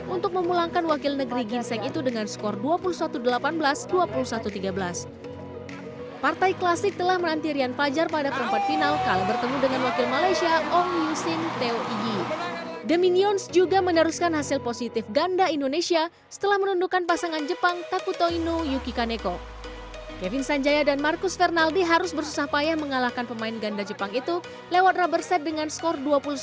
untuk memulangkan wakil negeri ginseng itu dengan skor dua puluh satu dua puluh empat